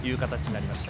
なりますね。